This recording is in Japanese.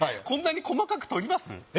こんなに細かくとります？